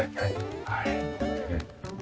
はい。